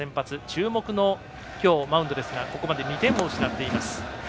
注目の今日、マウンドですがここまで２点を失っています。